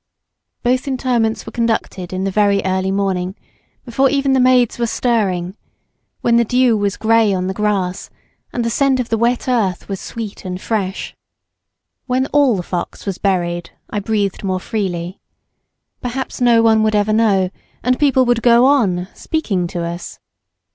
Both interments were conducted in the very early morning before even the maids were stirring, when the dew was grey on the grass, and the scent of the wet earth was sweet and fresh. When all the fox was buried I breathed more freely. Perhaps no one would ever know, and people would go on "speaking to" us.